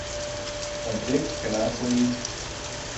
Man prieks, ka nāc līdzi.